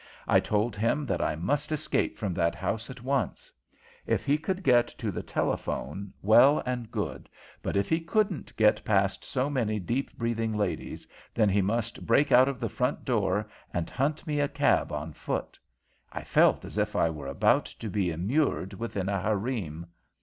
I told him that I must escape from that house at once. If he could get to the telephone, well and good; but if he couldn't get past so many deep breathing ladies, then he must break out of the front door and hunt me a cab on foot. I felt as if I were about to be immured within a harem.